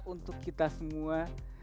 untuk kita semua